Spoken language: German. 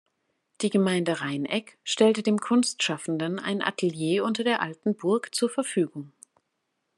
Die Gemeinde Rheineck stellte dem Kunstschaffenden ein Atelier unter der alten Burg zur Verfügung.